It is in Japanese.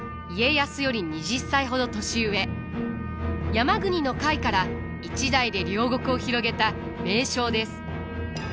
山国の甲斐から一代で領国を広げた名将です。